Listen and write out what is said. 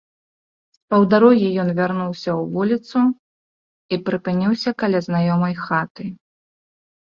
З паўдарогі ён вярнуўся ў вуліцу і прыпыніўся каля знаёмай хаты.